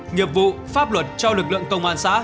nghiệp vụ pháp luật cho lực lượng công an xã